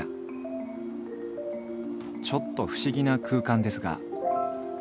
ちょっと不思議な空間ですが。